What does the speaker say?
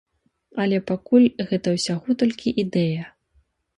Але пакуль гэта ўсяго толькі ідэя.